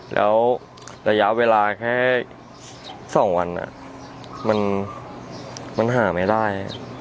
แล้วระยะเวลาแค่๒วันมันหาไม่ได้